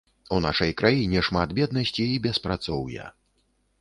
У нашай краіне шмат беднасці і беспрацоўя.